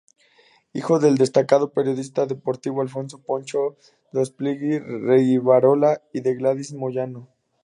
Hijo del destacado periodista deportivo Alfonso "Pocho" Rospigliosi Rivarola y de Gladys Moyano.